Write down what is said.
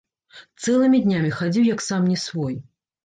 Цэлымі днямі хадзіў як сам не свой.